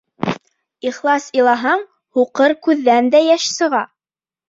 Ихлас илаһаң, һуҡыр күҙҙән дә йәш сыға.